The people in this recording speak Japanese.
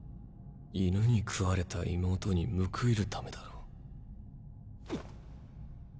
犬に食われた妹に報いるためだろ？